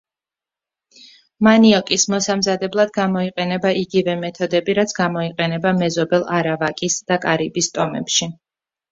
მანიოკის მოსამზადებლად გამოიყენება იგივე მეთოდები, რაც გამოიყენება მეზობელ არავაკის და კარიბის ტომებში.